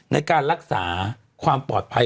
ในการรักษาความปลอดภัย